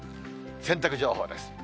洗濯情報です。